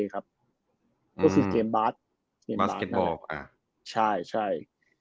ครับก็คือเกมบาสบาสเก็ตบอลค่ะใช่